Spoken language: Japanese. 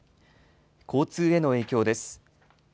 交通への影響です。